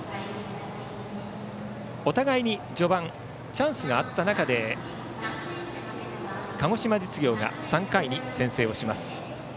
お互いに序盤チャンスがあった中で鹿児島実業が３回に先制をします。